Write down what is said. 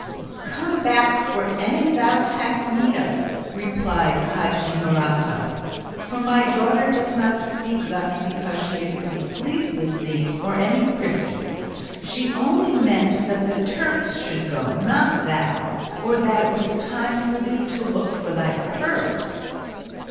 "Come back for any thou hast need of," replied Hadji Morato; "for my daughter does not speak thus because she is displeased with thee or any Christian: she only meant that the Turks should go, not thou; or that it was time for thee to look for thy herbs."